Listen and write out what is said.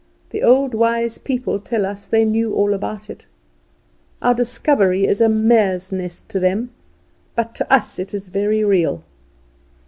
The old wise people tell us they knew all about it. Our discovery is a mare's nest to them; but to us it is very real.